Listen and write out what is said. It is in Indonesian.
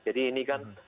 jadi ini kan